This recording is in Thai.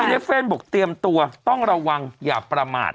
๓๐เมษานี่เฟรนบุ๊คเตรียมตัวต้องระวังอย่าประมาท